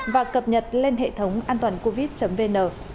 và cập nhật lên hệ thống antoancovid vn